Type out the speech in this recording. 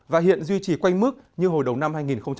và hiện duy trì quanh mức như hồi đầu năm hai nghìn hai mươi